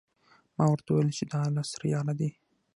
ما ورته وویل چې دا لس ریاله دي.